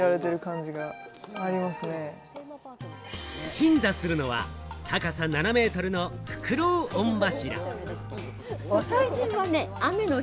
鎮座するのは高さ７メートルのフクロウ御柱。